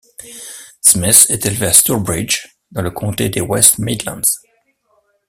Smith est élevée à Stourbridge, dans le comté des West Midlands.